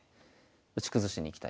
打ち崩しにいきたい。